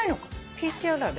ピーチあられ！